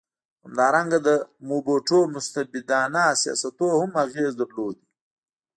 همدارنګه د موبوټو مستبدانه سیاستونو هم اغېز درلود.